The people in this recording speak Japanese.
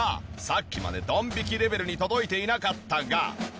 さっきまでドン引きレベルに届いていなかったが。